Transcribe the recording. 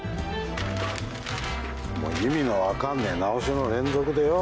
意味の分かんねえ直しの連続でよ